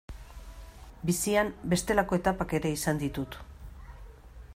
Bizian bestelako etapak ere izan ditut.